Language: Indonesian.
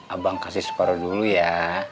abang kasih separuh dulu ya